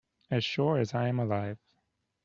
As sure as I am alive